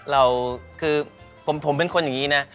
เราก็ถึงผมเป็นคนแบบนี้นะ